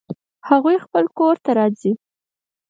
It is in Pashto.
هغوی خپل کور ته راځي